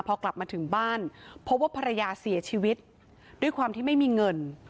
พอกลับมาถึงบ้านพบว่าภรรยาเสียชีวิตด้วยความที่ไม่มีเงิน